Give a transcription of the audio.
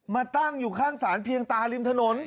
มาตั้งอยู่ข้างสารเพียงตาริมถนน